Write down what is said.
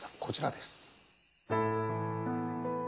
こちらです。